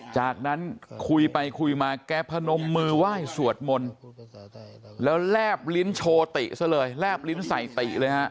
จากนั้นคุยไปคุยมาแกพนมมือไหว้สวดมนต์แล้วแลบลิ้นโชติซะเลยแลบลิ้นใส่ติเลยฮะ